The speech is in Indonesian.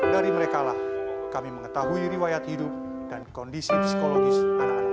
dari mereka lah kami mengetahui riwayat hidup dan kondisi psikologis anak anak ini